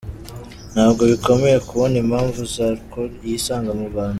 Ntabwo bikomeye kubona impamvu Sarkozy yisanga mu Rwanda.